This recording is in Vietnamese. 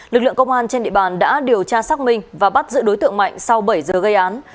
lực lượng công an trên địa bàn đã điều tra xác minh và bắt giữ đối tượng mạnh sau bảy giờ gây án